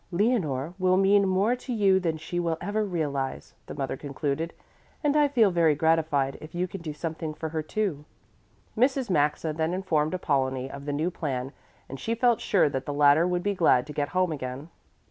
"Leonore will mean more to you than she will ever realize," the mother concluded, "and I feel very gratified if you can do something for her, too." Mrs. Maxa then informed Apollonie of the new plan, and she felt sure that the latter would be glad to get home again.